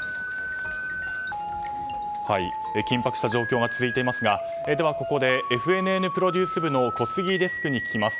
緊迫した状況が続いていますがでは、ここでＦＮＮプロデュース部の小杉デスクに聞きます。